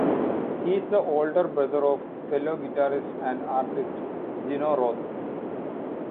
He is the older brother of fellow guitarist and artist Zeno Roth.